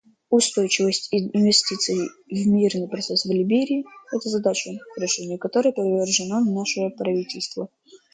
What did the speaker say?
Устойчивость инвестиций в мирный процесс в Либерии — это задача, решению которой привержено наше правительство.